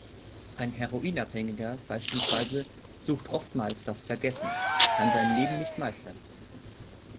Ein Heroinabhängiger beispielsweise sucht oftmals das Vergessen, kann sein Leben nicht meistern.